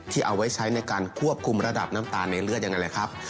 เอาไว้ใช้ในการควบคุมระดับน้ำตาลในเลือดอย่างนั้นแหละครับ